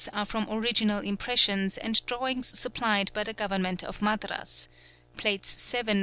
are from original impressions and drawings supplied by the Government of Madras; Plates VI1.